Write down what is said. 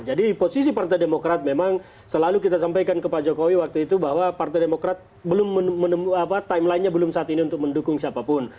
jadi posisi partai demokrat memang selalu kita sampaikan ke pak jokowi waktu itu bahwa partai demokrat timelinenya belum saat ini untuk mendukung siapapun